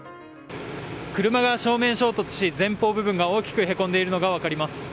車が正面衝突し前方部分が大きくへこんでいるのが分かります。